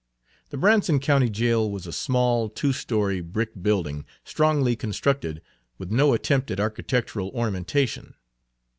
The Branson County jail was a small, two story brick building, strongly constructed, with no attempt at architectural ornamentation.